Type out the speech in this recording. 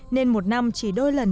nên một năm chỉ đôi lần